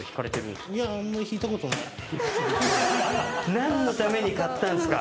何のために買ったんすか。